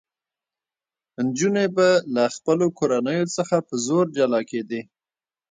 نجونې به له خپلو کورنیو څخه په زور جلا کېدې.